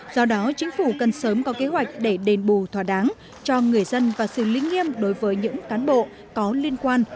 do đó chính phủ cần sớm có kế hoạch để đền bù thỏa đáng cho người dân và xử lý nghiêm đối với những cán bộ có liên quan